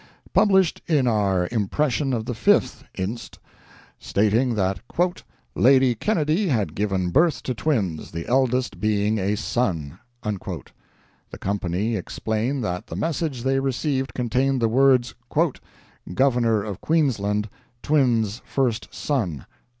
published in our impression of the 5th inst., stating that "Lady Kennedy had given birth to twins, the eldest being a son." The Company explain that the message they received contained the words "Governor of Queensland, TWINS FIRST SON."